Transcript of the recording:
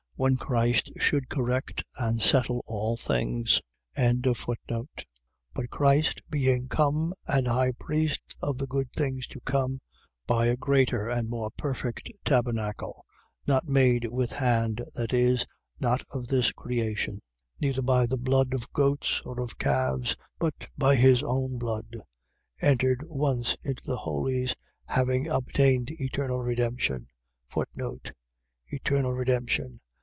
when Christ should correct and settle all things. 9:11. But Christ, being come an high Priest of the good things to come, by a greater and more perfect tabernacle, not made with hand, that is, not of this creation: 9:12. Neither by the blood of goats or of calves, but by his own blood, entered once into the Holies, having obtained eternal redemption. Eternal redemption.